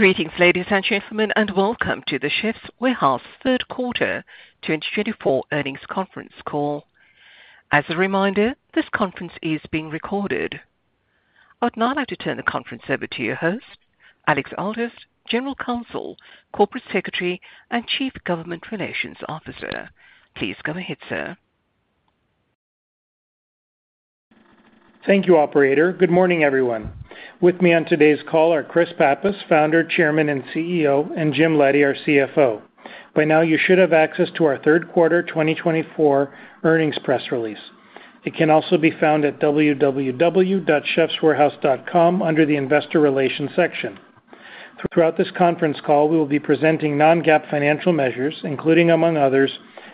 Greetings, ladies and gentlemen, and welcome to the Chefs' Warehouse third quarter 2024 earnings conference call. As a reminder, this conference is being recorded. I'd now like to turn the conference over to your host, Alex Aldous, General Counsel, Corporate Secretary, and Chief Government Relations Officer. Please go ahead, sir. Thank you, Operator. Good morning, everyone. With me on today's call are Chris Pappas, Founder, Chairman, and CEO, and James Leddy, our CFO. By now, you should have access to our third quarter 2024 earnings press release. It can also be found at www.chefswarehouse.com under the Investor Relations section. Throughout this conference call, we will be presenting non-GAAP financial measures, including, among others,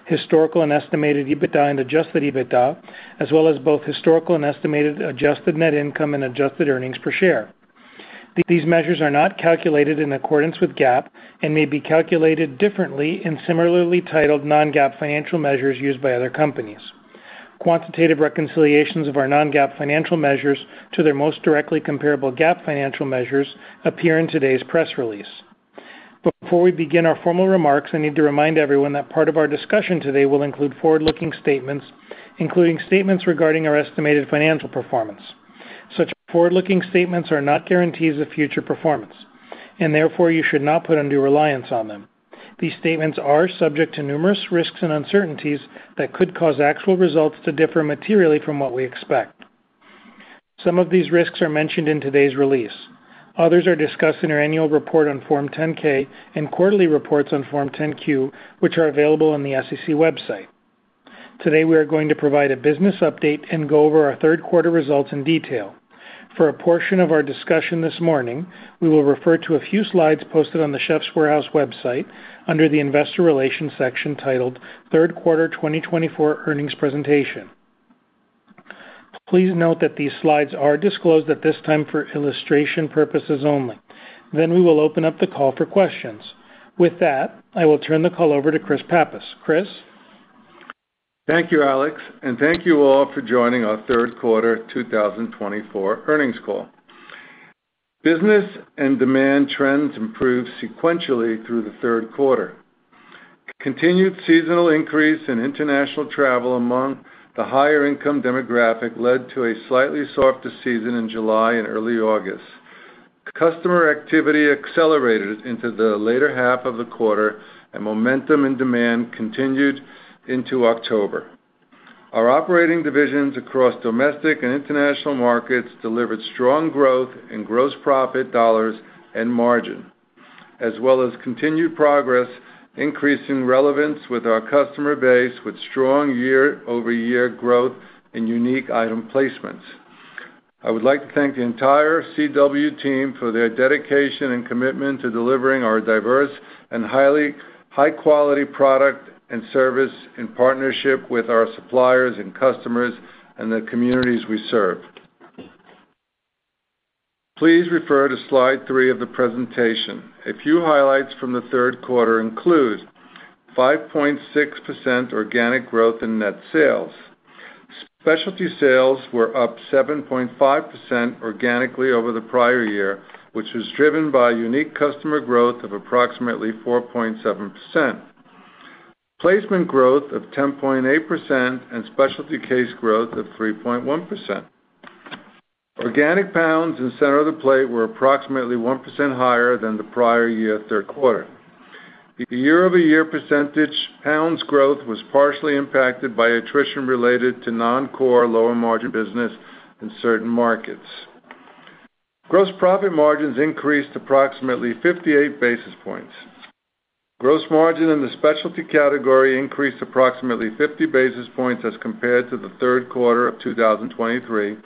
historical and estimated EBITDA and adjusted EBITDA, as well as both historical and estimated adjusted net income and adjusted earnings per share. These measures are not calculated in accordance with GAAP and may be calculated differently in similarly titled non-GAAP financial measures used by other companies. Quantitative reconciliations of our non-GAAP financial measures to their most directly comparable GAAP financial measures appear in today's press release. Before we begin our formal remarks, I need to remind everyone that part of our discussion today will include forward-looking statements, including statements regarding our estimated financial performance. Such forward-looking statements are not guarantees of future performance, and therefore you should not put undue reliance on them. These statements are subject to numerous risks and uncertainties that could cause actual results to differ materially from what we expect. Some of these risks are mentioned in today's release. Others are discussed in our annual report on Form 10-K and quarterly reports on Form 10-Q, which are available on the SEC website. Today, we are going to provide a business update and go over our third quarter results in detail. For a portion of our discussion this morning, we will refer to a few slides posted on the Chefs' Warehouse website under the Investor Relations section titled Third Quarter 2024 Earnings Presentation. Please note that these slides are disclosed at this time for illustration purposes only. Then we will open up the call for questions. With that, I will turn the call over to Chris Pappas. Chris. Thank you, Alex, and thank you all for joining our third quarter 2024 earnings call. Business and demand trends improved sequentially through the third quarter. Continued seasonal increase in international travel among the higher-income demographic led to a slightly softer season in July and early August. Customer activity accelerated into the later half of the quarter, and momentum in demand continued into October. Our operating divisions across domestic and international markets delivered strong growth in gross profit dollars and margin, as well as continued progress, increasing relevance with our customer base with strong year-over-year growth and unique item placements. I would like to thank the entire CW team for their dedication and commitment to delivering our diverse and highly high-quality product and service in partnership with our suppliers and customers and the communities we serve. Please refer to slide three of the presentation. A few highlights from the third quarter include 5.6% organic growth in net sales. Specialty sales were up 7.5% organically over the prior year, which was driven by unique customer growth of approximately 4.7%, placement growth of 10.8%, and specialty case growth of 3.1%. Organic pounds and center of the plate were approximately 1% higher than the prior year third quarter. The year-over-year percentage pounds growth was partially impacted by attrition related to non-core lower margin business in certain markets. Gross profit margins increased approximately 58 basis points. Gross margin in the specialty category increased approximately 50 basis points as compared to the third quarter of 2023,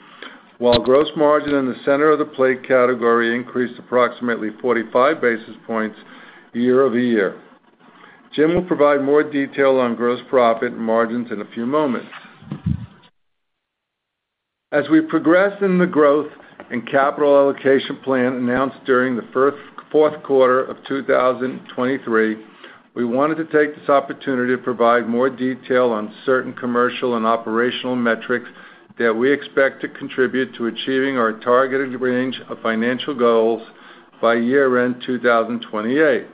while gross margin in the center of the plate category increased approximately 45 basis points year-over-year. James will provide more detail on gross profit margins in a few moments. As we progressed in the growth and capital allocation plan announced during the fourth quarter of 2023, we wanted to take this opportunity to provide more detail on certain commercial and operational metrics that we expect to contribute to achieving our targeted range of financial goals by year-end 2028.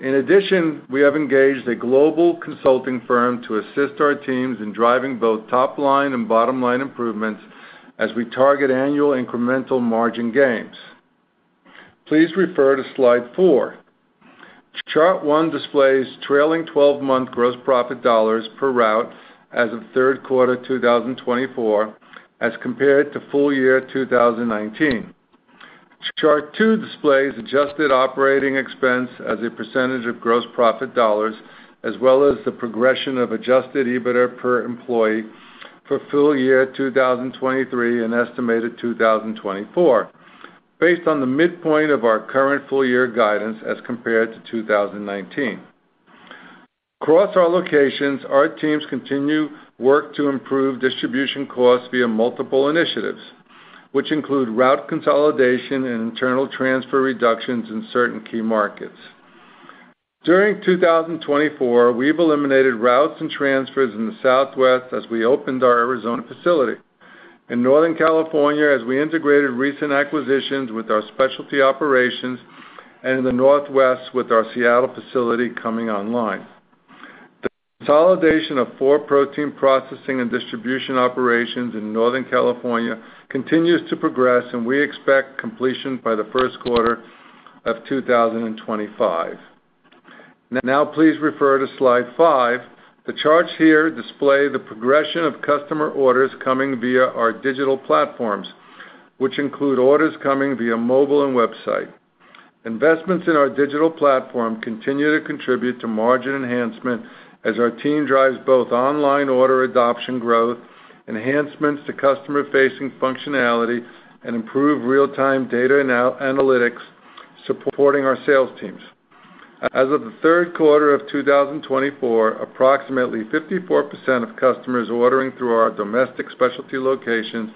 In addition, we have engaged a global consulting firm to assist our teams in driving both top-line and bottom-line improvements as we target annual incremental margin gains. Please refer to slide four. Chart one displays trailing 12-month gross profit dollars per route as of third quarter 2024 as compared to full year 2019. Chart two displays adjusted operating expense as a percentage of gross profit dollars, as well as the progression of Adjusted EBITDA per employee for full year 2023 and estimated 2024, based on the midpoint of our current full year guidance as compared to 2019. Across our locations, our teams continue work to improve distribution costs via multiple initiatives, which include route consolidation and internal transfer reductions in certain key markets. During 2024, we've eliminated routes and transfers in the Southwest as we opened our Arizona facility, in Northern California as we integrated recent acquisitions with our specialty operations, and in the Northwest with our Seattle facility coming online. The consolidation of four protein processing and distribution operations in Northern California continues to progress, and we expect completion by the first quarter of 2025. Now, please refer to slide five. The charts here display the progression of customer orders coming via our digital platforms, which include orders coming via mobile and website. Investments in our digital platform continue to contribute to margin enhancement as our team drives both online order adoption growth, enhancements to customer-facing functionality, and improved real-time data analytics, supporting our sales teams. As of the third quarter of 2024, approximately 54% of customers ordering through our domestic specialty locations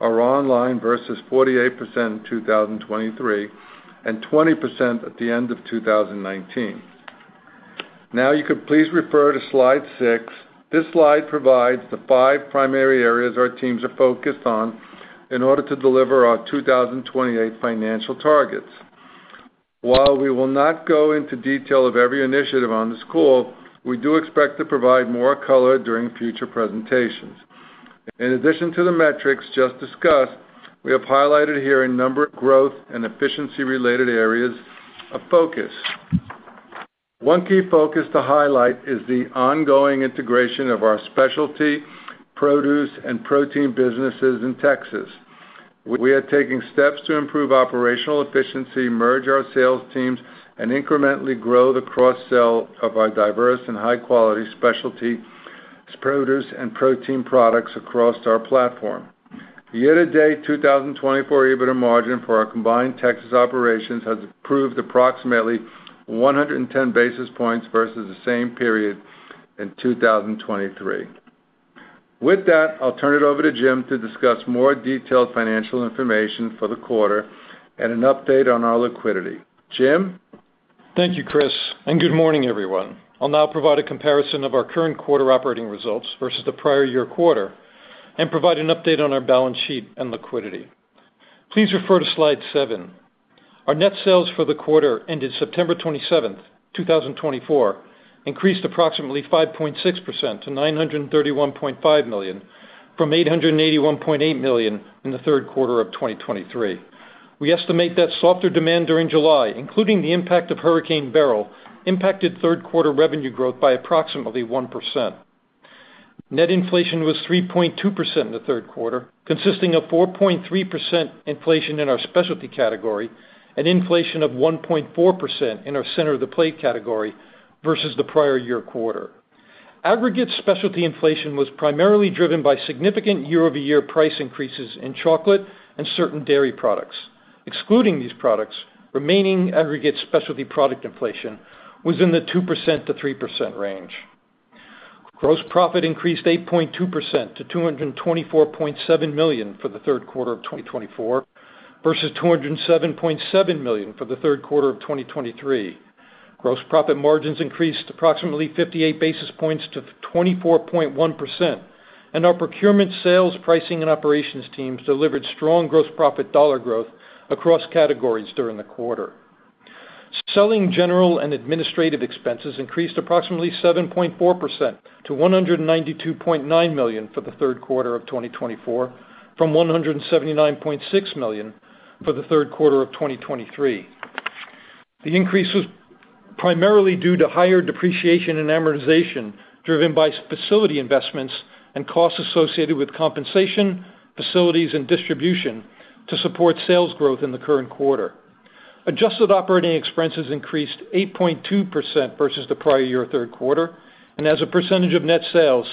are online versus 48% in 2023 and 20% at the end of 2019. Now, you could please refer to slide six. This slide provides the five primary areas our teams are focused on in order to deliver our 2028 financial targets. While we will not go into detail of every initiative on this call, we do expect to provide more color during future presentations. In addition to the metrics just discussed, we have highlighted here a number of growth and efficiency-related areas of focus. One key focus to highlight is the ongoing integration of our specialty, produce, and protein businesses in Texas. We are taking steps to improve operational efficiency, merge our sales teams, and incrementally grow the cross-sell of our diverse and high-quality specialty, produce, and protein products across our platform. Year-to-date 2024 EBITDA margin for our combined Texas operations has improved approximately 110 basis points versus the same period in 2023. With that, I'll turn it over to James to discuss more detailed financial information for the quarter and an update on our liquidity. James. Thank you, Chris, and good morning, everyone. I'll now provide a comparison of our current quarter operating results versus the prior year quarter and provide an update on our balance sheet and liquidity. Please refer to slide seven. Our net sales for the quarter ended September 27th, 2024, increased approximately 5.6% to $931.5 million from $881.8 million in the third quarter of 2023. We estimate that softer demand during July, including the impact of Hurricane Beryl, impacted third quarter revenue growth by approximately 1%. Net inflation was 3.2% in the third quarter, consisting of 4.3% inflation in our specialty category and inflation of 1.4% in our center of the plate category versus the prior year quarter. Aggregate specialty inflation was primarily driven by significant year-over-year price increases in chocolate and certain dairy products. Excluding these products, remaining aggregate specialty product inflation was in the 2% to 3% range. Gross profit increased 8.2% to $224.7 million for the third quarter of 2024 versus $207.7 million for the third quarter of 2023. Gross profit margins increased approximately 58 basis points to 24.1%, and our procurement, sales, pricing, and operations teams delivered strong gross profit dollar growth across categories during the quarter. Selling general and administrative expenses increased approximately 7.4% to $192.9 million for the third quarter of 2024 from $179.6 million for the third quarter of 2023. The increase was primarily due to higher depreciation and amortization driven by facility investments and costs associated with compensation, facilities, and distribution to support sales growth in the current quarter. Adjusted operating expenses increased 8.2% versus the prior year third quarter, and as a percentage of net sales,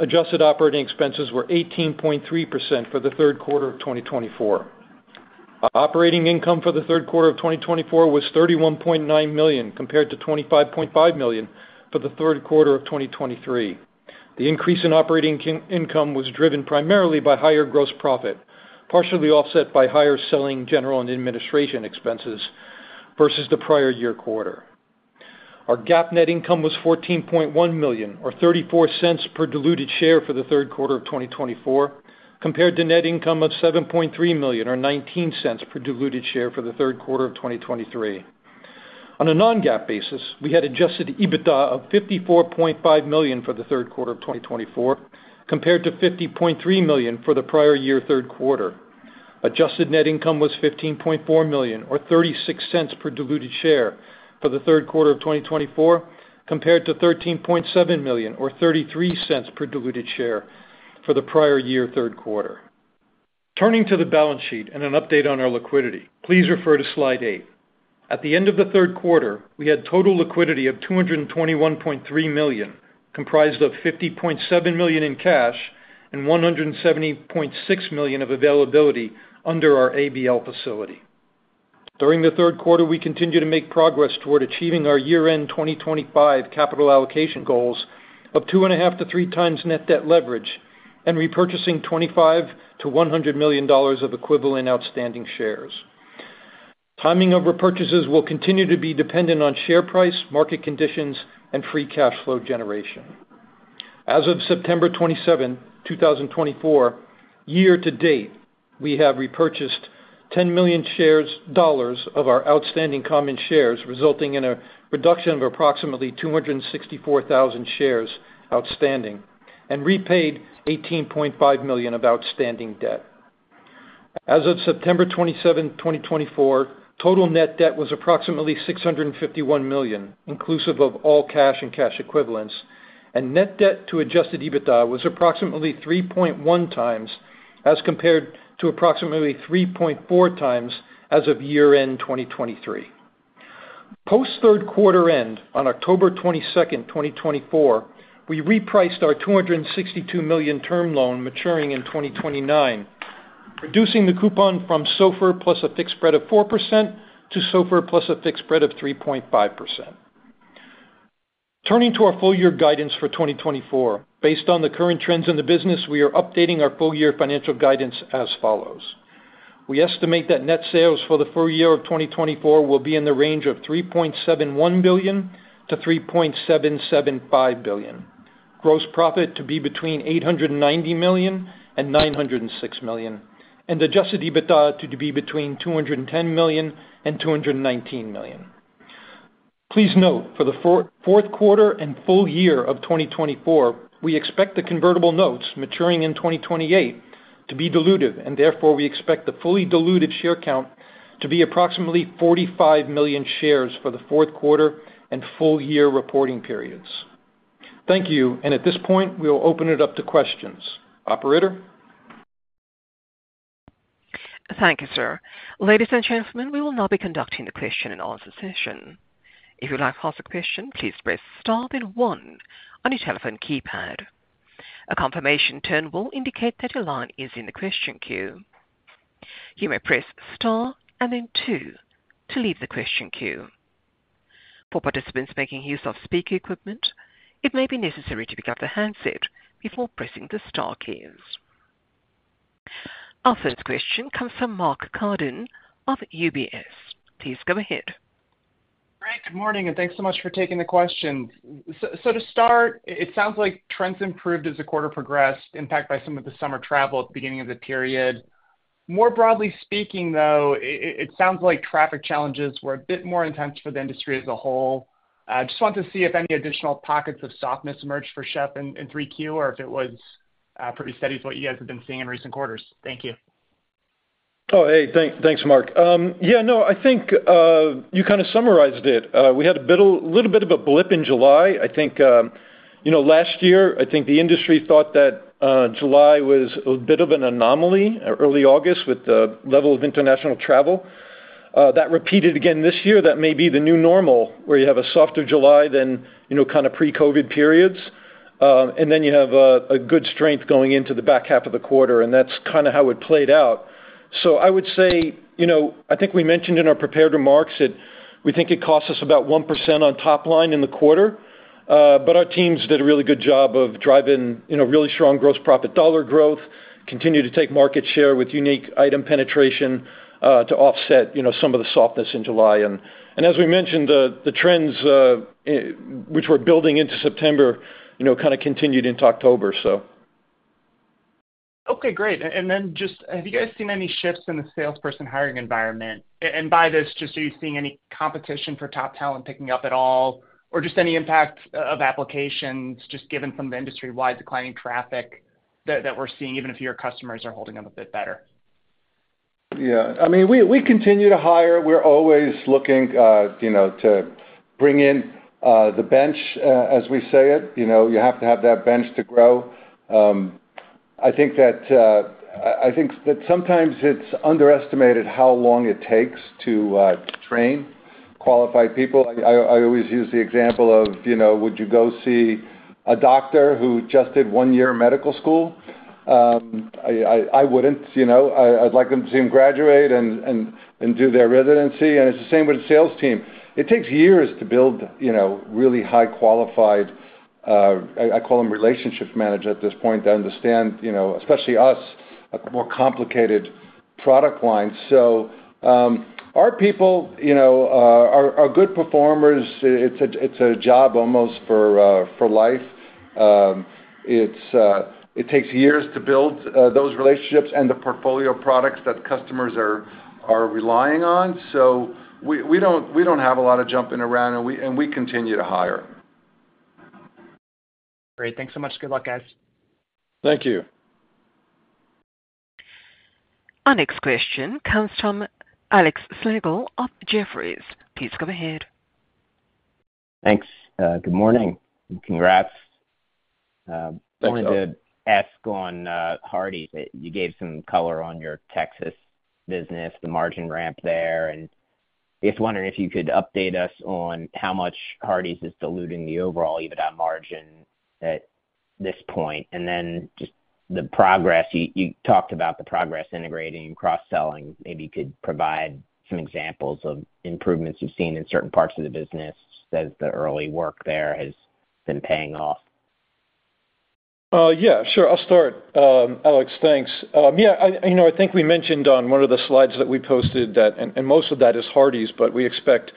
adjusted operating expenses were 18.3% for the third quarter of 2024. Operating income for the third quarter of 2024 was $31.9 million compared to $25.5 million for the third quarter of 2023. The increase in operating income was driven primarily by higher gross profit, partially offset by higher selling, general and administrative expenses versus the prior year quarter. Our GAAP net income was $14.1 million or $0.34 per diluted share for the third quarter of 2024, compared to net income of $7.3 million or $0.19 per diluted share for the third quarter of 2023. On a non-GAAP basis, we had adjusted EBITDA of $54.5 million for the third quarter of 2024, compared to $50.3 million for the prior year third quarter. Adjusted net income was $15.4 million or $0.36 per diluted share for the third quarter of 2024, compared to $13.7 million or $0.33 per diluted share for the prior year third quarter. Turning to the balance sheet and an update on our liquidity, please refer to slide eight. At the end of the third quarter, we had total liquidity of $221.3 million, comprised of $50.7 million in cash and $170.6 million of availability under our ABL facility. During the third quarter, we continued to make progress toward achieving our year-end 2025 capital allocation goals of two and a half to three times net debt leverage and repurchasing $25 million-$100 million of equivalent outstanding shares. Timing of repurchases will continue to be dependent on share price, market conditions, and free cash flow generation. As of September 27, 2024, year to date, we have repurchased 10 million shares of our outstanding common shares, resulting in a reduction of approximately 264,000 shares outstanding and repaid $18.5 million of outstanding debt. As of September 27, 2024, total net debt was approximately $651 million, inclusive of all cash and cash equivalents, and net debt to adjusted EBITDA was approximately 3.1 times as compared to approximately 3.4 times as of year-end 2023. Post third quarter end, on October 22nd, 2024, we repriced our $262 million term loan maturing in 2029, reducing the coupon from SOFR plus a fixed spread of 4% to SOFR plus a fixed spread of 3.5%. Turning to our full year guidance for 2024, based on the current trends in the business, we are updating our full year financial guidance as follows. We estimate that net sales for the full year of 2024 will be in the range of $3.71 billion-$3.775 billion, gross profit to be between $890 million and $906 million, and adjusted EBITDA to be between $210 million and $219 million. Please note, for the fourth quarter and full year of 2024, we expect the convertible notes maturing in 2028 to be diluted, and therefore we expect the fully diluted share count to be approximately 45 million shares for the fourth quarter and full year reporting periods. Thank you, and at this point, we will open it up to questions. Operator. Thank you, sir. Ladies and gentlemen, we will now be conducting the question and answer session. If you'd like to ask a question, please press star, then one on your telephone keypad. A confirmation tone will indicate that your line is in the question queue. You may press star, then two to leave the question queue. For participants making use of speaker equipment, it may be necessary to pick up the handset before pressing the star keys. Our first question comes from Mark Carden of UBS. Please go ahead. Great. Good morning, and thanks so much for taking the question. So to start, it sounds like trends improved as the quarter progressed, impacted by some of the summer travel at the beginning of the period. More broadly speaking, though, it sounds like traffic challenges were a bit more intense for the industry as a whole. Just wanted to see if any additional pockets of softness emerged for Chefs' in 3Q or if it was pretty steady to what you guys have been seeing in recent quarters. Thank you. Oh, hey, thanks, Mark. Yeah, no, I think you kind of summarized it. We had a little bit of a blip in July. I think last year, I think the industry thought that July was a bit of an anomaly, early August with the level of international travel. That repeated again this year. That may be the new normal where you have a softer July than kind of pre-COVID periods, and then you have a good strength going into the back half of the quarter, and that's kind of how it played out. So I would say, I think we mentioned in our prepared remarks that we think it costs us about 1% on top line in the quarter, but our teams did a really good job of driving really strong gross profit dollar growth, continue to take market share with unique item penetration to offset some of the softness in July. And as we mentioned, the trends which were building into September kind of continued into October, so. Okay, great. And then just, have you guys seen any shifts in the salesperson hiring environment? And by this, just are you seeing any competition for top talent picking up at all, or just any impact of applications just given some of the industry-wide declining traffic that we're seeing, even if your customers are holding up a bit better? Yeah. I mean, we continue to hire. We're always looking to bring in the bench, as we say it. You have to have that bench to grow. I think that sometimes it's underestimated how long it takes to train qualified people. I always use the example of, would you go see a doctor who just did one year of medical school? I wouldn't. I'd like them to see them graduate and do their residency, and it's the same with the sales team. It takes years to build really highly qualified, I call them relationship managers at this point, that understand, especially us, a more complicated product line, so our people are good performers. It's a job almost for life. It takes years to build those relationships and the portfolio products that customers are relying on, so we don't have a lot of jumping around, and we continue to hire. Great. Thanks so much. Good luck, guys. Thank you. Our next question comes from Alex Slagle of Jefferies. Please go ahead. Thanks. Good morning. Congrats. I wanted to ask on Hardie's. You gave some color on your Texas business, the margin ramp there, and just wondering if you could update us on how much Hardie's is diluting the overall EBITDA margin at this point, and then just the progress, you talked about the progress integrating and cross-selling. Maybe you could provide some examples of improvements you've seen in certain parts of the business as the early work there has been paying off. Yeah, sure. I'll start, Alex. Thanks. Yeah, I think we mentioned on one of the slides that we posted that, and most of that is Hardie's, but we expect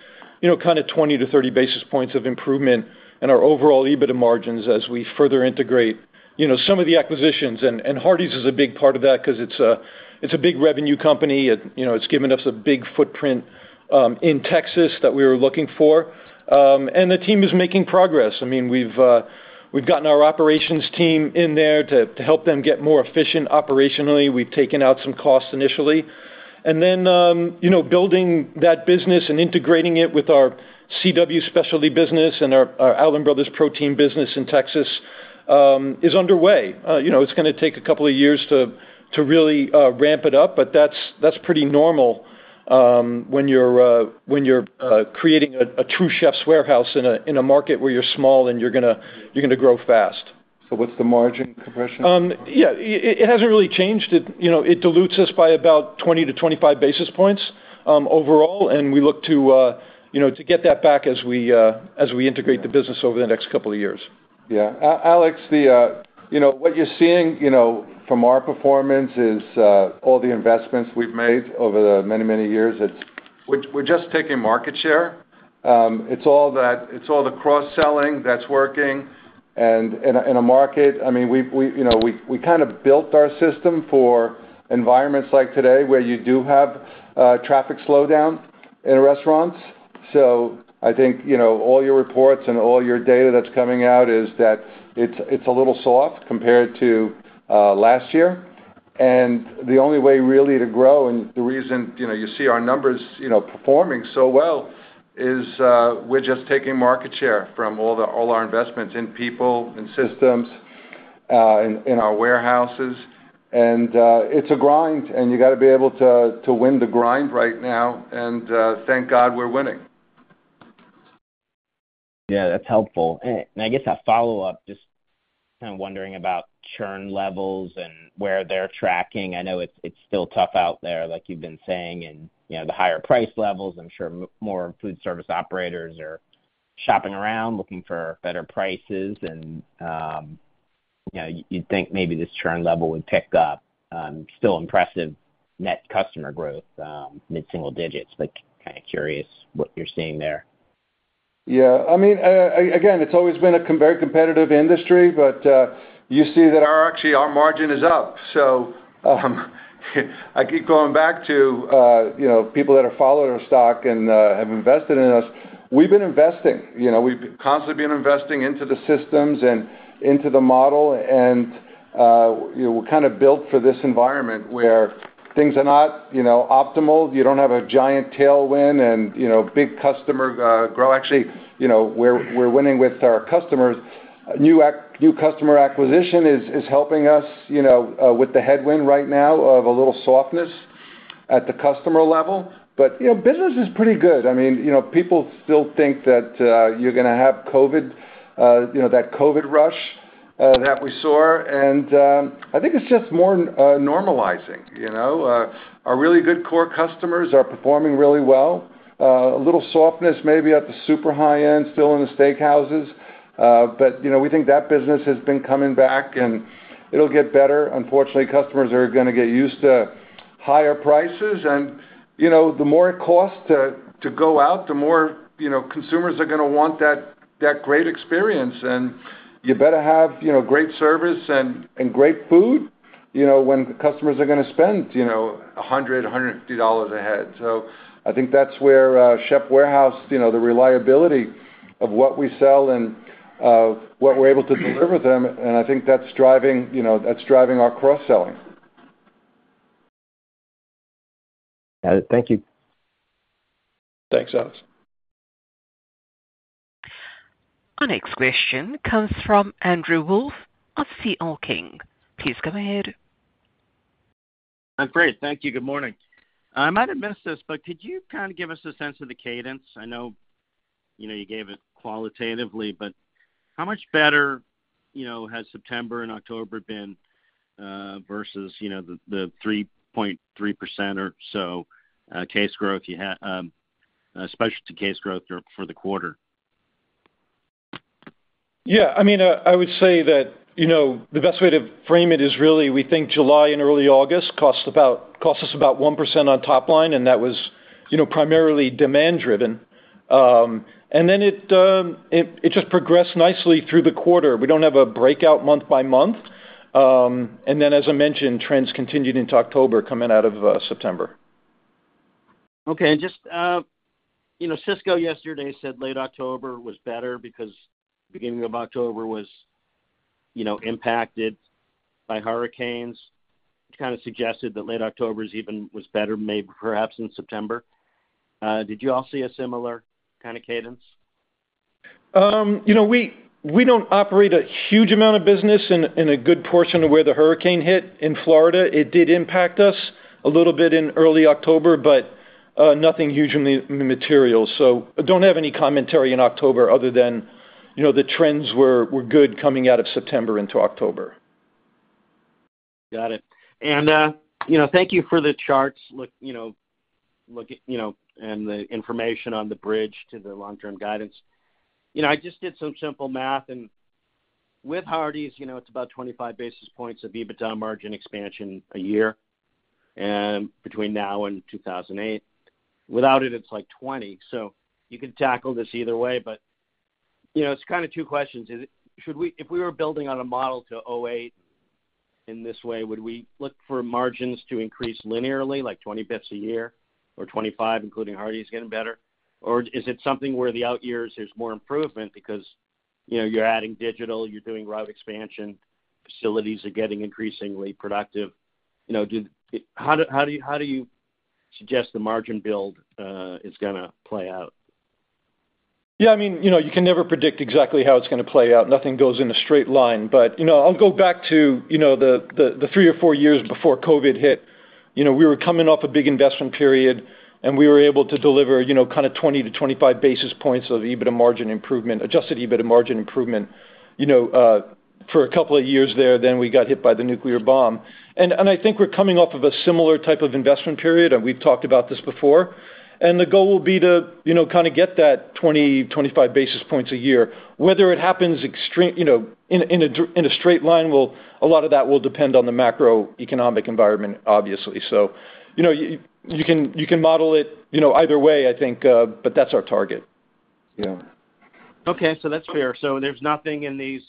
kind of 20 to 30 basis points of improvement in our overall EBITDA margins as we further integrate some of the acquisitions. And Hardie's is a big part of that because it's a big revenue company. It's given us a big footprint in Texas that we were looking for. And the team is making progress. I mean, we've gotten our operations team in there to help them get more efficient operationally. We've taken out some costs initially. And then building that business and integrating it with our CW specialty business and our Allen Brothers Protein business in Texas is underway. It's going to take a couple of years to really ramp it up, but that's pretty normal when you're creating a true Chefs' Warehouse in a market where you're small and you're going to grow fast. What's the margin compression? Yeah. It hasn't really changed. It dilutes us by about 20-25 basis points overall, and we look to get that back as we integrate the business over the next couple of years. Yeah. Alex, what you're seeing from our performance is all the investments we've made over the many, many years. We're just taking market share. It's all the cross-selling that's working, and in a market, I mean, we kind of built our system for environments like today where you do have traffic slowdown in restaurants, so I think all your reports and all your data that's coming out is that it's a little soft compared to last year, and the only way really to grow, and the reason you see our numbers performing so well, is we're just taking market share from all our investments in people and systems in our warehouses, and it's a grind, and you got to be able to win the grind right now, and thank God we're winning. Yeah, that's helpful. And I guess a follow-up, just kind of wondering about churn levels and where they're tracking. I know it's still tough out there, like you've been saying. And the higher price levels, I'm sure more food service operators are shopping around looking for better prices. And you'd think maybe this churn level would pick up. Still impressive net customer growth, mid-single digits. But kind of curious what you're seeing there. Yeah. I mean, again, it's always been a very competitive industry, but you see that actually our margin is up. So I keep going back to people that have followed our stock and have invested in us. We've been investing. We've constantly been investing into the systems and into the model. And we're kind of built for this environment where things are not optimal. You don't have a giant tailwind and big customer growth. Actually, we're winning with our customers. New customer acquisition is helping us with the headwind right now of a little softness at the customer level. But business is pretty good. I mean, people still think that you're going to have that COVID rush that we saw. And I think it's just more normalizing. Our really good core customers are performing really well. A little softness maybe at the super high end, still in the steakhouses. But we think that business has been coming back, and it'll get better. Unfortunately, customers are going to get used to higher prices. And the more it costs to go out, the more consumers are going to want that great experience. And you better have great service and great food when customers are going to spend $100-$150 a head. So I think that's where Chefs' Warehouse, the reliability of what we sell and what we're able to deliver to them. And I think that's driving our cross-selling. Got it. Thank you. Thanks, Alex. Our next question comes from Andrew Wolf of C.L. King. Please come ahead. I'm great. Thank you. Good morning. I might have missed this, but could you kind of give us a sense of the cadence? I know you gave it qualitatively, but how much better has September and October been versus the 3.3% or so case growth, especially case growth for the quarter? Yeah. I mean, I would say that the best way to frame it is really we think July and early August cost us about 1% on top line, and that was primarily demand-driven. And then it just progressed nicely through the quarter. We don't have a breakout month by month. And then, as I mentioned, trends continued into October coming out of September. Okay. And just Sysco yesterday said late October was better because the beginning of October was impacted by hurricanes, which kind of suggested that late October was better maybe perhaps in September. Did you all see a similar kind of cadence? We don't operate a huge amount of business in a good portion of where the hurricane hit in Florida. It did impact us a little bit in early October, but nothing hugely material. So I don't have any commentary in October other than the trends were good coming out of September into October. Got it. And thank you for the charts and the information on the bridge to the long-term guidance. I just did some simple math. And with Hardie's, it's about 25 basis points of EBITDA margin expansion a year between now and 2028. Without it, it's like 20. So you can tackle this either way. But it's kind of two questions. If we were building on a model to 2028 in this way, would we look for margins to increase linearly, like 20 basis points a year or 25, including Hardie's getting better? Or is it something where the out years there's more improvement because you're adding digital, you're doing route expansion, facilities are getting increasingly productive? How do you suggest the margin build is going to play out? Yeah. I mean, you can never predict exactly how it's going to play out. Nothing goes in a straight line. But I'll go back to the three or four years before COVID hit. We were coming off a big investment period, and we were able to deliver kind of 20-25 basis points of Adjusted EBITDA margin improvement for a couple of years there. Then we got hit by the nuclear bomb. And I think we're coming off of a similar type of investment period. And we've talked about this before. And the goal will be to kind of get that 20-25 basis points a year. Whether it happens in a straight line, a lot of that will depend on the macroeconomic environment, obviously. So you can model it either way, I think, but that's our target. Yeah. Okay. So that's fair. So there's nothing in these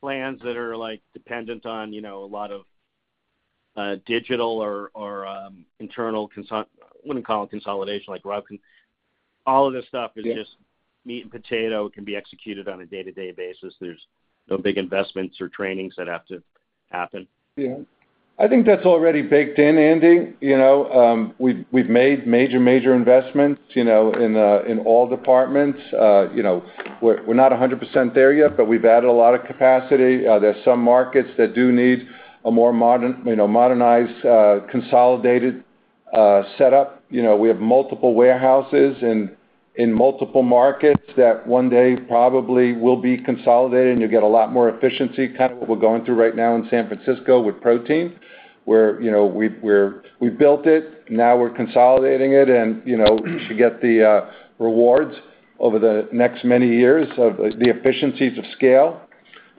plans that are dependent on a lot of digital or internal, I wouldn't call it consolidation, like routing. All of this stuff is just meat and potato. It can be executed on a day-to-day basis. There's no big investments or trainings that have to happen. Yeah. I think that's already baked in, Andy. We've made major, major investments in all departments. We're not 100% there yet, but we've added a lot of capacity. There's some markets that do need a more modernized consolidated setup. We have multiple warehouses in multiple markets that one day probably will be consolidated, and you'll get a lot more efficiency, kind of what we're going through right now in San Francisco with protein, where we built it. Now we're consolidating it, and you should get the rewards over the next many years of the efficiencies of scale.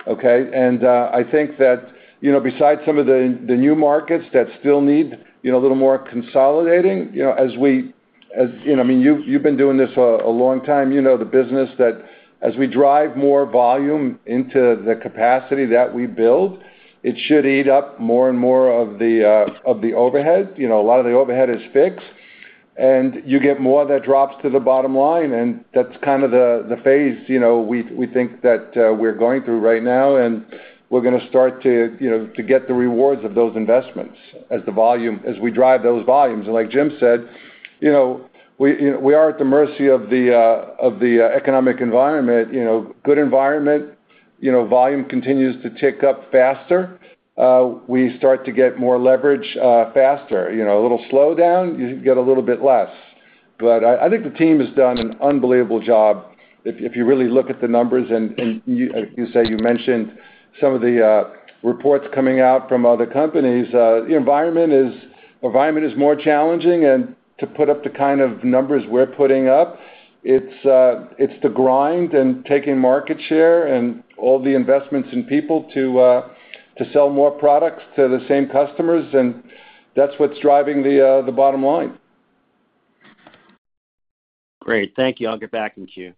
Okay? And I think that besides some of the new markets that still need a little more consolidating, as we—I mean, you've been doing this a long time, the business—that as we drive more volume into the capacity that we build, it should eat up more and more of the overhead. A lot of the overhead is fixed, and you get more that drops to the bottom line, and that's kind of the phase we think that we're going through right now, and we're going to start to get the rewards of those investments as we drive those volumes, and like James said, we are at the mercy of the economic environment. Good environment, volume continues to tick up faster. We start to get more leverage faster. A little slowdown, you get a little bit less, but I think the team has done an unbelievable job. If you really look at the numbers, and you say you mentioned some of the reports coming out from other companies, the environment is more challenging. And to put up the kind of numbers we're putting up, it's the grind and taking market share and all the investments in people to sell more products to the same customers. And that's what's driving the bottom line. Great. Thank you. I'll get back in queue.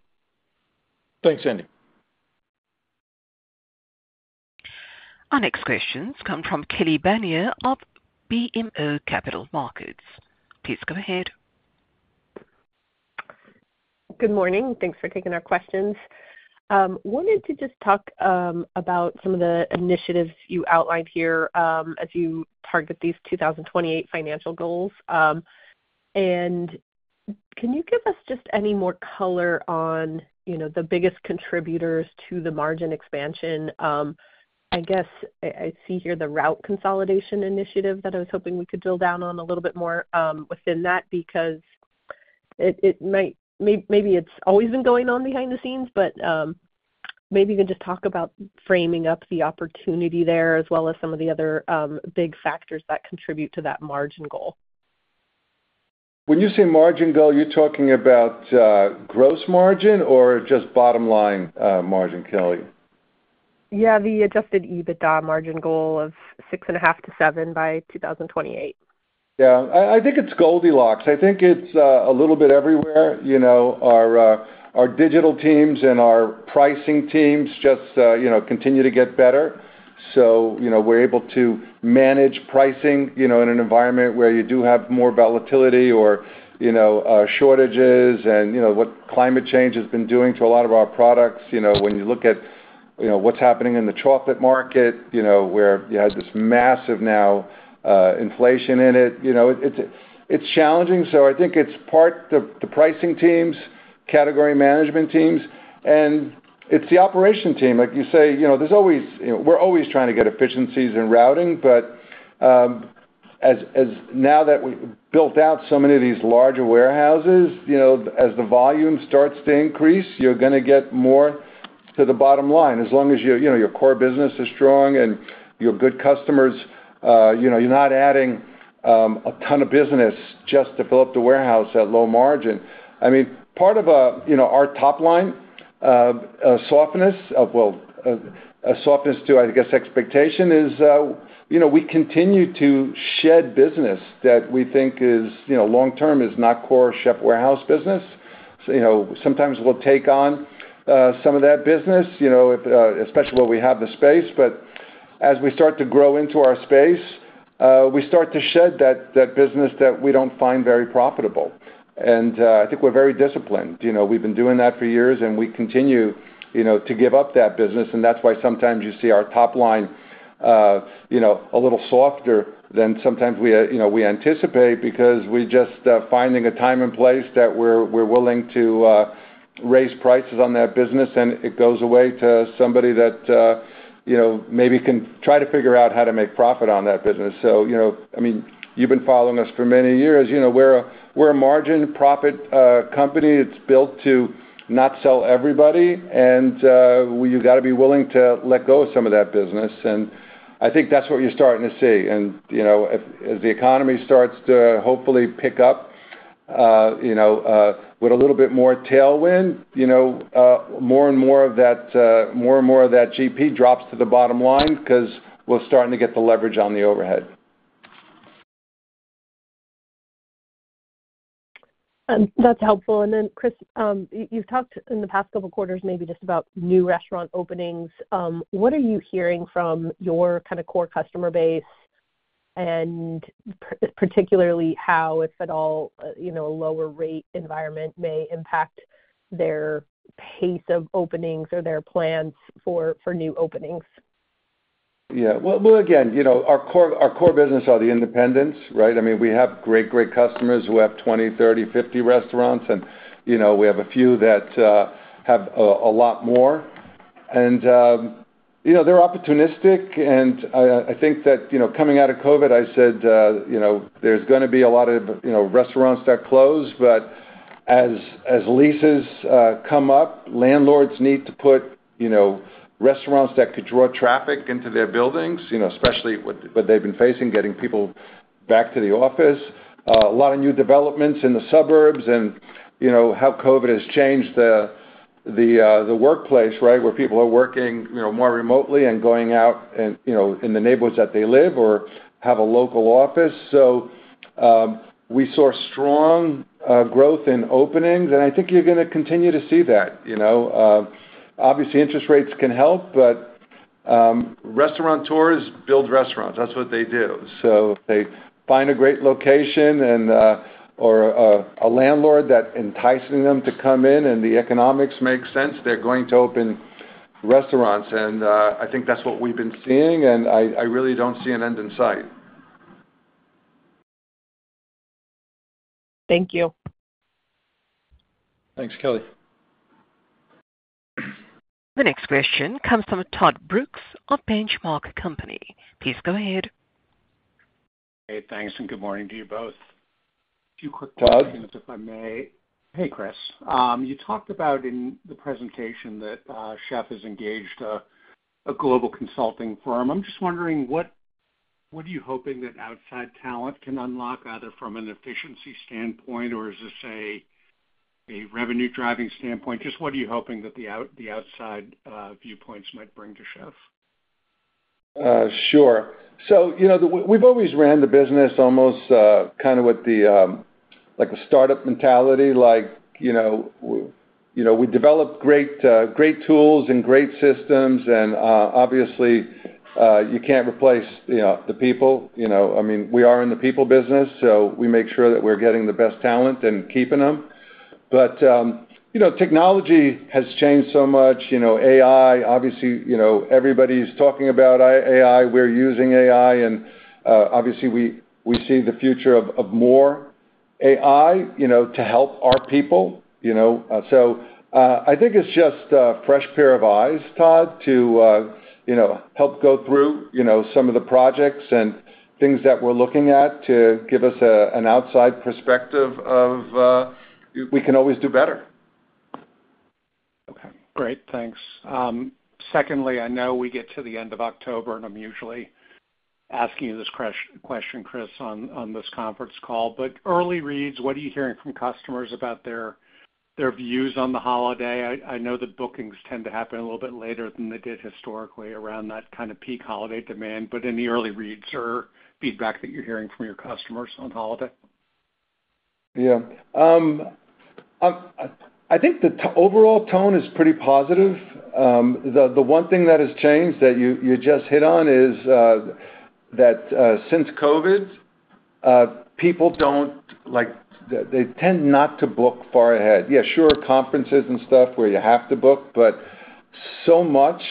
Thanks, Andy. Our next questions come from Kelly Bania of BMO Capital Markets. Please go ahead. Good morning. Thanks for taking our questions. I wanted to just talk about some of the initiatives you outlined here as you target these 2028 financial goals, and can you give us just any more color on the biggest contributors to the margin expansion? I guess I see here the route consolidation initiative that I was hoping we could drill down on a little bit more within that because it might, maybe it's always been going on behind the scenes, but maybe you can just talk about framing up the opportunity there as well as some of the other big factors that contribute to that margin goal. When you say margin goal, you're talking about gross margin or just bottom line margin, Kelly? Yeah, the adjusted EBITDA margin goal of 6.5%-7% by 2028. Yeah. I think it's Goldilocks. I think it's a little bit everywhere. Our digital teams and our pricing teams just continue to get better. So we're able to manage pricing in an environment where you do have more volatility or shortages and what climate change has been doing to a lot of our products. When you look at what's happening in the chocolate market, where you had this massive inflation in it, it's challenging. So I think it's part of the pricing teams, category management teams, and it's the operation team. Like you say, we're always trying to get efficiencies in routing. But now that we've built out so many of these larger warehouses, as the volume starts to increase, you're going to get more to the bottom line. As long as your core business is strong and you have good customers, you're not adding a ton of business just to fill up the warehouse at low margin. I mean, part of our top line softness, well, softness to, I guess, expectation is we continue to shed business that we think long-term is not core Chefs' Warehouse business. Sometimes we'll take on some of that business, especially where we have the space. But as we start to grow into our space, we start to shed that business that we don't find very profitable. And I think we're very disciplined. We've been doing that for years, and we continue to give up that business. And that's why sometimes you see our top line a little softer than sometimes we anticipate because we're just finding a time and place that we're willing to raise prices on that business, and it goes away to somebody that maybe can try to figure out how to make profit on that business. So, I mean, you've been following us for many years. We're a margin profit company. It's built to not sell everybody. And you got to be willing to let go of some of that business. And I think that's what you're starting to see. And as the economy starts to hopefully pick up with a little bit more tailwind, more and more of that, more and more of that GP drops to the bottom line because we're starting to get the leverage on the overhead. That's helpful. And then, Chris, you've talked in the past couple of quarters maybe just about new restaurant openings. What are you hearing from your kind of core customer base and particularly how, if at all, a lower rate environment may impact their pace of openings or their plans for new openings? Yeah, well, again, our core business are the independents, right? I mean, we have great, great customers who have 20, 30, 50 restaurants, and we have a few that have a lot more, and they're opportunistic, and I think that coming out of COVID, I said there's going to be a lot of restaurants that close, but as leases come up, landlords need to put restaurants that could draw traffic into their buildings, especially what they've been facing, getting people back to the office, a lot of new developments in the suburbs and how COVID has changed the workplace, right, where people are working more remotely and going out in the neighborhoods that they live or have a local office, so we saw strong growth in openings, and I think you're going to continue to see that. Obviously, interest rates can help, but restaurateurs build restaurants. That's what they do. So if they find a great location or a landlord that enticed them to come in and the economics make sense, they're going to open restaurants. And I think that's what we've been seeing, and I really don't see an end in sight. Thank you. Thanks, Kelly. The next question comes from Todd Brooks of The Benchmark Company. Please go ahead. Hey, thanks. And good morning to you both. A few quick questions if I may. Hey, Chris. You talked about in the presentation that Chef has engaged a global consulting firm. I'm just wondering, what are you hoping that outside talent can unlock either from an efficiency standpoint or is this a revenue-driving standpoint? Just what are you hoping that the outside viewpoints might bring to Chef? Sure. So we've always ran the business almost kind of with the startup mentality. We develop great tools and great systems. And obviously, you can't replace the people. I mean, we are in the people business, so we make sure that we're getting the best talent and keeping them. But technology has changed so much. AI, obviously, everybody's talking about AI. We're using AI. And obviously, we see the future of more AI to help our people. So I think it's just a fresh pair of eyes, Todd, to help go through some of the projects and things that we're looking at to give us an outside perspective of we can always do better. Okay. Great. Thanks. Secondly, I know we get to the end of October, and I'm usually asking you this question, Chris, on this conference call. But early reads, what are you hearing from customers about their views on the holiday? I know that bookings tend to happen a little bit later than they did historically around that kind of peak holiday demand. But any early reads or feedback that you're hearing from your customers on holiday? Yeah. I think the overall tone is pretty positive. The one thing that has changed that you just hit on is that since COVID, people don't. They tend not to book far ahead. Yeah, sure, conferences and stuff where you have to book, but so much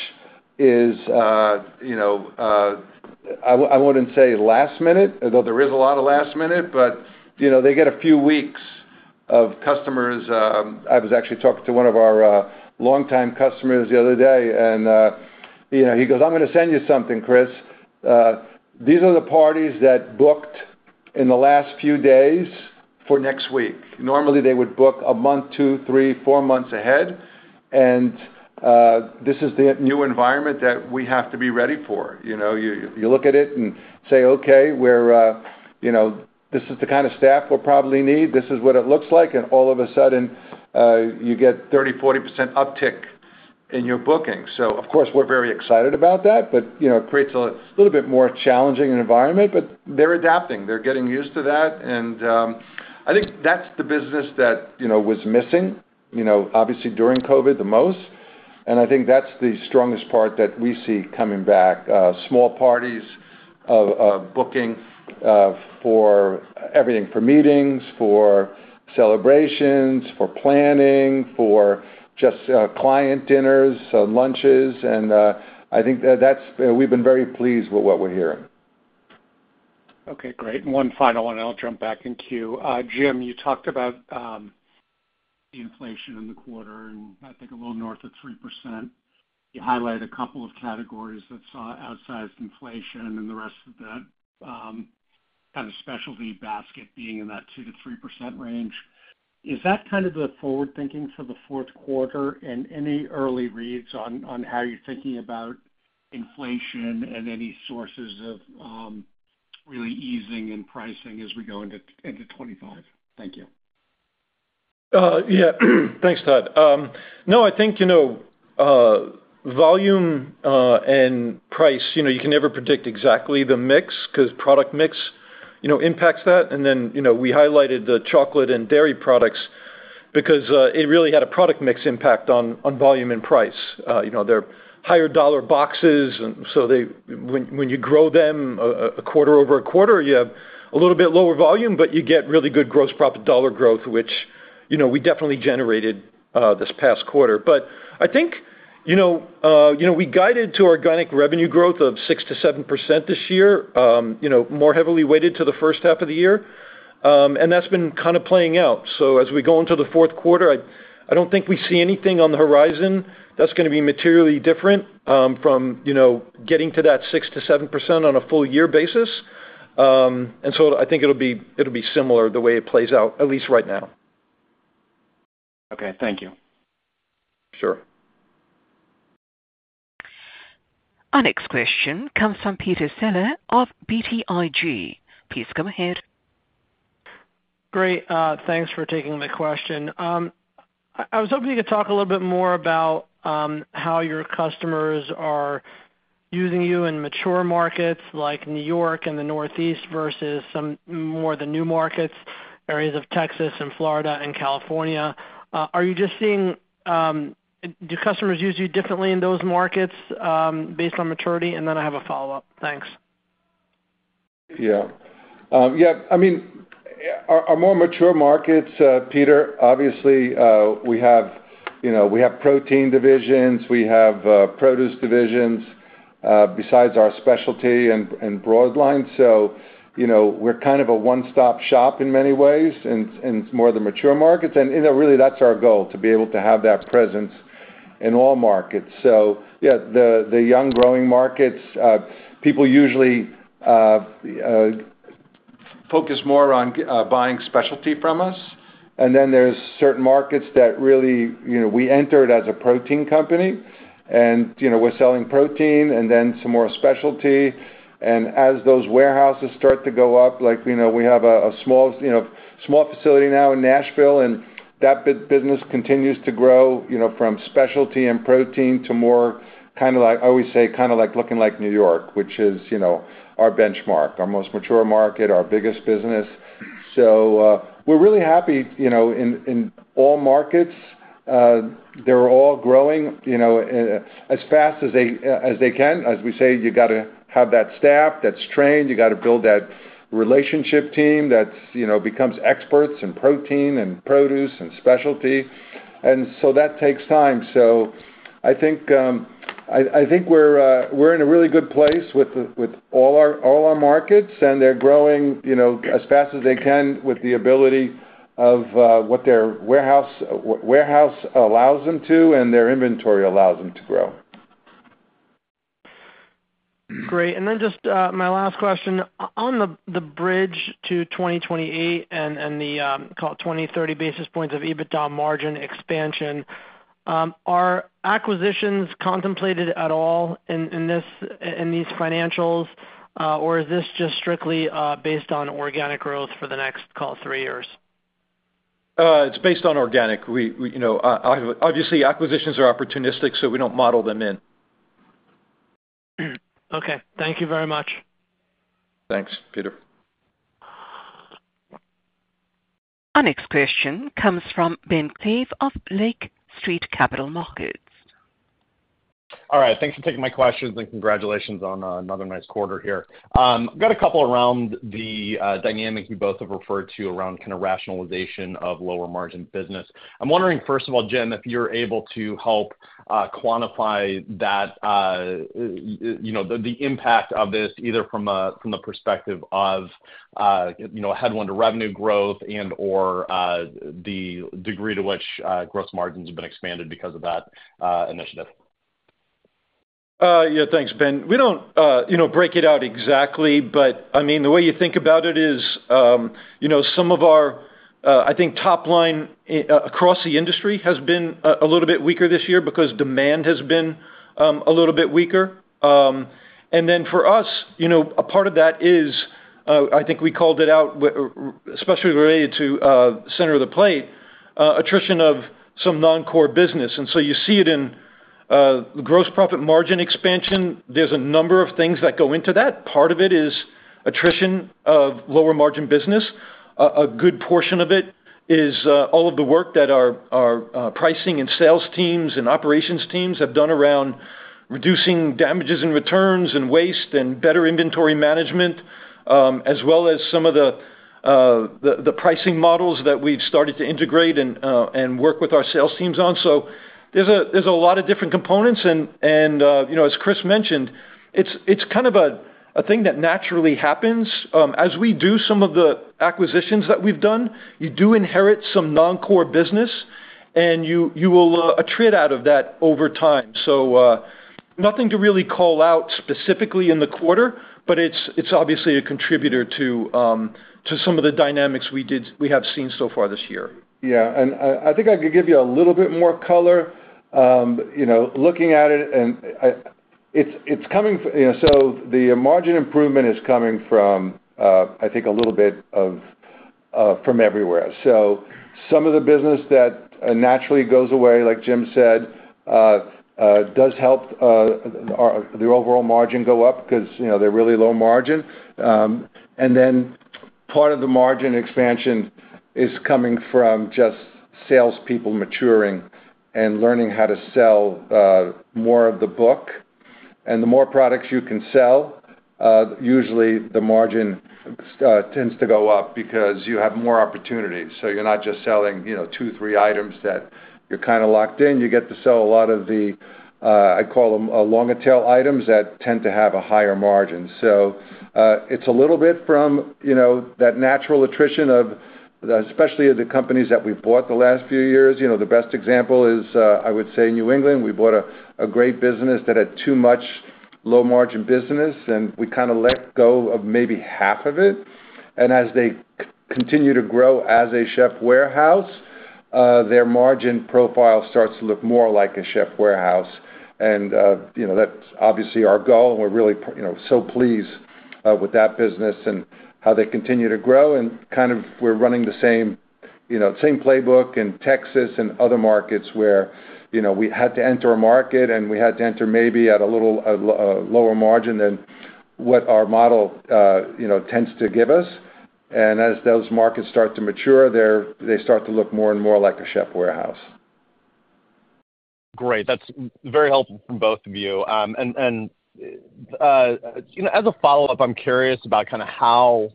is. I wouldn't say last minute, although there is a lot of last minute, but they get a few weeks of customers. I was actually talking to one of our longtime customers the other day, and he goes, "I'm going to send you something, Chris. These are the parties that booked in the last few days for next week." Normally, they would book a month, two, three, four months ahead. And this is the new environment that we have to be ready for. You look at it and say, "Okay, this is the kind of staff we'll probably need. This is what it looks like, and all of a sudden, you get 30%-40% uptick in your booking. Of course, we're very excited about that, but it creates a little bit more challenging environment. They're adapting. They're getting used to that. I think that's the business that was missing, obviously, during COVID the most. I think that's the strongest part that we see coming back: small parties of booking for everything—for meetings, for celebrations, for planning, for just client dinners and lunches. I think that we've been very pleased with what we're hearing. Okay. Great. One final one, and I'll jump back in queue. James, you talked about the inflation in the quarter, and I think a little north of 3%. You highlighted a couple of categories that saw outsized inflation and the rest of that kind of specialty basket being in that 2%-3% range. Is that kind of the forward thinking for the fourth quarter and any early reads on how you're thinking about inflation and any sources of really easing in pricing as we go into 2025? Thank you. Yeah. Thanks, Todd. No, I think volume and price, you can never predict exactly the mix because product mix impacts that. And then we highlighted the chocolate and dairy products because it really had a product mix impact on volume and price. They're higher dollar boxes. And so when you grow them a quarter over a quarter, you have a little bit lower volume, but you get really good gross profit dollar growth, which we definitely generated this past quarter. But I think we guided to organic revenue growth of 6%-7% this year, more heavily weighted to the first half of the year. And that's been kind of playing out. So as we go into the fourth quarter, I don't think we see anything on the horizon that's going to be materially different from getting to that 6%-7% on a full year basis. I think it'll be similar the way it plays out, at least right now. Okay. Thank you. Sure. Our next question comes from Peter Saleh of BTIG. Please go ahead. Great. Thanks for taking the question. I was hoping you could talk a little bit more about how your customers are using you in mature markets like New York and the Northeast versus some more of the new markets, areas of Texas and Florida and California. Are you just seeing, do customers use you differently in those markets based on maturity? And then I have a follow-up. Thanks. Yeah. Yeah. I mean, our more mature markets, Peter, obviously, we have protein divisions. We have produce divisions besides our specialty and broad line. So we're kind of a one-stop shop in many ways in more of the mature markets. And really, that's our goal, to be able to have that presence in all markets. So, yeah, the young growing markets, people usually focus more on buying specialty from us. And then there's certain markets that really we entered as a protein company, and we're selling protein and then some more specialty. And as those warehouses start to go up, we have a small facility now in Nashville, and that business continues to grow from specialty and protein to more kind of like. I always say kind of like looking like New York, which is our benchmark, our most mature market, our biggest business. So we're really happy in all markets. They're all growing as fast as they can. As we say, you got to have that stuff that's trained. You got to build that relationship team that becomes experts in protein and produce and specialty. And so that takes time. So I think we're in a really good place with all our markets, and they're growing as fast as they can with the ability of what their warehouse allows them to and their inventory allows them to grow. Great. And then just my last question. On the bridge to 2028 and the 20-30 basis points of EBITDA margin expansion, are acquisitions contemplated at all in these financials, or is this just strictly based on organic growth for the next, call it, three years? It's based on organic. Obviously, acquisitions are opportunistic, so we don't model them in. Okay. Thank you very much. Thanks, Peter. Our next question comes from Ben Klieve of Lake Street Capital Markets. All right. Thanks for taking my questions, and congratulations on another nice quarter here. I've got a couple around the dynamic you both have referred to around kind of rationalization of lower margin business. I'm wondering, first of all, James, if you're able to help quantify that, the impact of this either from the perspective of headwind to revenue growth and/or the degree to which gross margins have been expanded because of that initiative. Yeah. Thanks, Ben. We don't break it out exactly, but I mean, the way you think about it is some of our, I think, top line across the industry has been a little bit weaker this year because demand has been a little bit weaker. And then for us, a part of that is, I think we called it out, especially related to center of the plate, attrition of some non-core business. And so you see it in the gross profit margin expansion. There's a number of things that go into that. Part of it is attrition of lower margin business. A good portion of it is all of the work that our pricing and sales teams and operations teams have done around reducing damages and returns and waste and better inventory management, as well as some of the pricing models that we've started to integrate and work with our sales teams on, so there's a lot of different components, and as Chris mentioned, it's kind of a thing that naturally happens. As we do some of the acquisitions that we've done, you do inherit some non-core business, and you will attrit out of that over time, so nothing to really call out specifically in the quarter, but it's obviously a contributor to some of the dynamics we have seen so far this year. Yeah. And I think I could give you a little bit more color looking at it. And it's coming from—so the margin improvement is coming from, I think, a little bit from everywhere. So some of the business that naturally goes away, like James said, does help the overall margin go up because they're really low margin. And then part of the margin expansion is coming from just salespeople maturing and learning how to sell more of the book. And the more products you can sell, usually the margin tends to go up because you have more opportunities. So you're not just selling two, three items that you're kind of locked in. You get to sell a lot of the, I call them, longer-tail items that tend to have a higher margin. It's a little bit from that natural attrition of, especially of the companies that we've bought the last few years. The best example is, I would say, New England. We bought a great business that had too much low-margin business, and we kind of let go of maybe half of it. As they continue to grow as a Chefs' Warehouse, their margin profile starts to look more like a Chefs' Warehouse. That's obviously our goal. We're really so pleased with that business and how they continue to grow. Kind of we're running the same playbook in Texas and other markets where we had to enter a market, and we had to enter maybe at a little lower margin than what our model tends to give us. As those markets start to mature, they start to look more and more like a Chefs' Warehouse. Great. That's very helpful from both of you. And as a follow-up, I'm curious about kind of how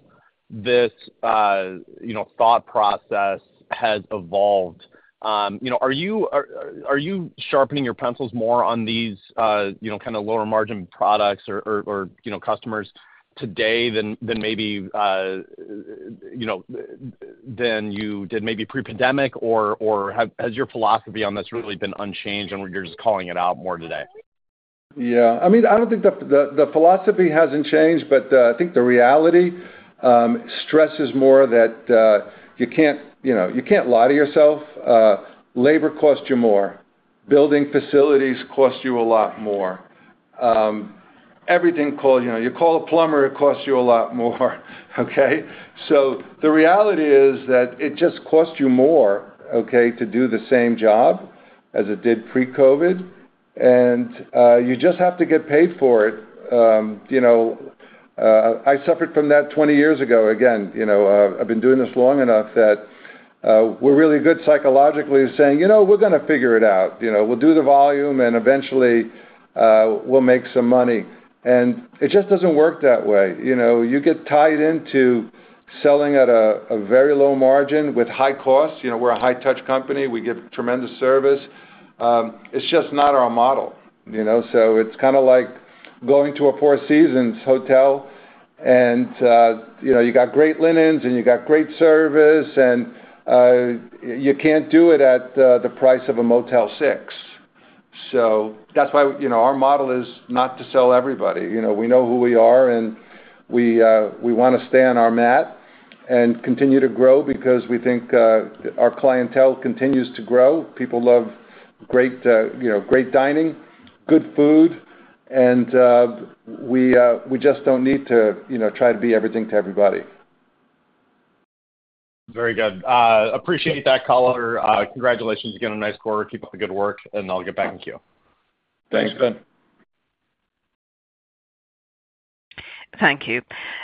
this thought process has evolved. Are you sharpening your pencils more on these kind of lower-margin products or customers today than maybe you did maybe pre-pandemic? Or has your philosophy on this really been unchanged and you're just calling it out more today? Yeah. I mean, I don't think the philosophy hasn't changed, but I think the reality stresses more that you can't lie to yourself. Labor costs you more. Building facilities cost you a lot more. Everything you call a plumber costs you a lot more. Okay? So the reality is that it just costs you more, okay, to do the same job as it did pre-COVID. And you just have to get paid for it. I suffered from that 20 years ago. Again, I've been doing this long enough that we're really good psychologically saying, "We're going to figure it out. We'll do the volume, and eventually, we'll make some money." And it just doesn't work that way. You get tied into selling at a very low margin with high cost. We're a high-touch company. We give tremendous service. It's just not our model. So it's kind of like going to a Four Seasons hotel, and you got great linens, and you got great service, and you can't do it at the price of a Motel 6. So that's why our model is not to sell everybody. We know who we are, and we want to stay on our mat and continue to grow because we think our clientele continues to grow. People love great dining, good food, and we just don't need to try to be everything to everybody. Very good. Appreciate that caller. Congratulations again on nice quarter. Keep up the good work, and I'll get back in queue. Thanks, Ben. Thank you.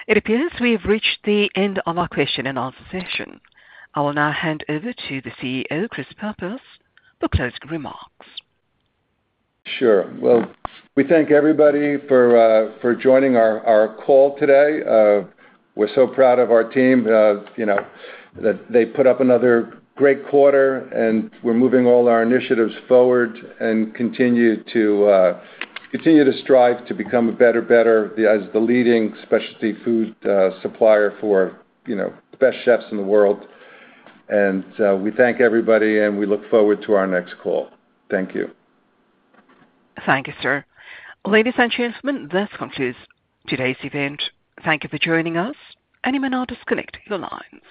It appears we have reached the end of our question and answer session. I will now hand over to the CEO, Chris Pappas, for closing remarks. Sure. Well, we thank everybody for joining our call today. We're so proud of our team that they put up another great quarter, and we're moving all our initiatives forward and continue to strive to become a better, better as the leading specialty food supplier for the best chefs in the world. And we thank everybody, and we look forward to our next call. Thank you. Thank you, sir. Ladies and gentlemen, that concludes today's event. Thank you for joining us, and you may now disconnect your lines.